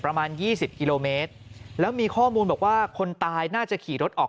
ประมาณ๒๐กิโลเมตรแล้วมีข้อมูลบอกว่าคนตายน่าจะขี่รถออก